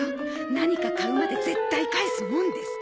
何か買うまで絶対帰すもんですか！